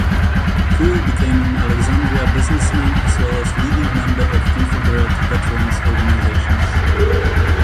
Hooe became an Alexandria businessmen as well as leading member of Confederate veterans organizations.